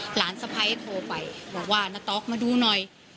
สะพ้ายโทรไปบอกว่านาต๊อกมาดูหน่อย